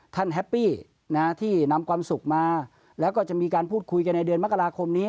แฮปปี้ที่นำความสุขมาแล้วก็จะมีการพูดคุยกันในเดือนมกราคมนี้